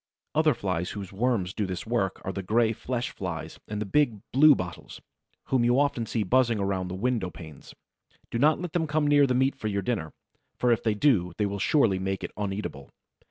Other Flies whose worms do this work are the Gray Flesh flies and the big Bluebottles, whom you often see buzzing about the window panes. Do not let them come near the meat for your dinner, for if they do they will surely make it uneatable.